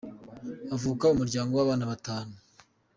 avuka mu muryango w’abana batanu.